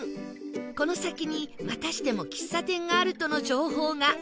この先にまたしても喫茶店があるとの情報が